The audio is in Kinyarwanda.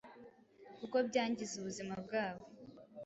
kuko byangiza ubuzima bwabo